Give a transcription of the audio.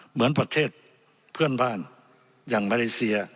เหมือนประเทศเพื่อนบ้านอย่างมาเลเซีย